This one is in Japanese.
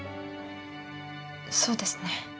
そうですね。